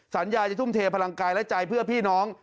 สัญญาจะทุ่มเทพลังกายและใจเพื่อพี่น้อง